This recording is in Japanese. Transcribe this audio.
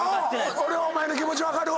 俺はお前の気持ち分かるわ！